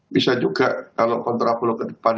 bisa juga kalau kontraflow ke depan